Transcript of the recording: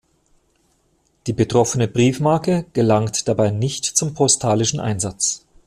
Die betroffene Briefmarke gelangt dabei nicht zum postalischen Einsatz.